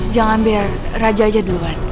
jangan biar raja aja duluan